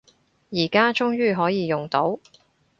而家終於可以用到